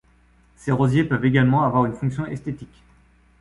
Ces rosiers peuvent également avoir une fonction esthétique.